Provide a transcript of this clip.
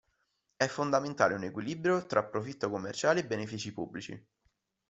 È fondamentale un equilibrio tra profitto commerciale e benefici pubblici.